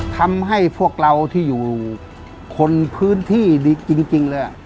ทำให้พวกเราที่อยู่คนพื้นที่ดีจริงเลย